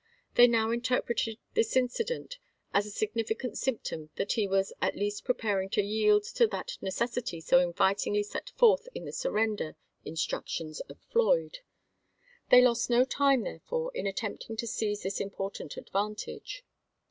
They now in terpreted this incident as a significant symptom that he was at least preparing to yield to that " neces sity" so invitingly set forth in the surrender in structions of Floyd. They lost no time, therefore, in attempting to seize this important advantage.